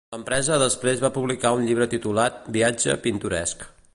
L'empresa després va publicar un llibre titulat "Viatge pintoresc".